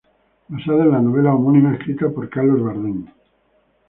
Basada en la novela homónima escrita por Carlos Bardem.